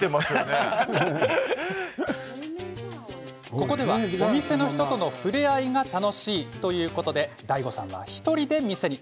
ここでは、お店の人との触れ合いが楽しいということでＤＡＩＧＯさんは１人で店に。